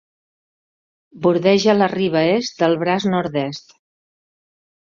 Bordeja la riba est del Braç Nord-est.